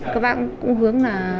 các bác cũng hướng là